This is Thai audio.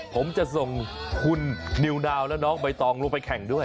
ผมจะส่งคุณนิวดาวและน้องใบตองลงไปแข่งด้วย